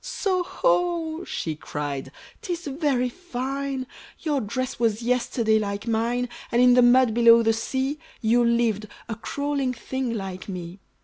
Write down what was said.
"So ho!" she cried, "'tis very fine! Your dress was yesterday like mine; And in the mud below the sea, You lived, a crawling thing like me.